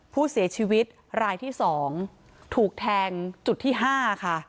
ผู้เสียชีวิตรายที่๒ถูกแทงจุดที่๕ค่ะ